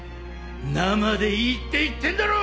・生でいいって言ってんだろ！